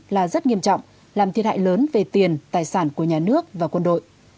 là rất nghiêm trọng làm thiệt hại lớn về tiền tài sản của nhà nước và quân đội